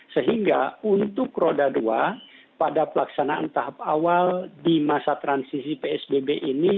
sehingga untuk roda dua pada pelaksanaan tahap awal di masa transisi psbb ini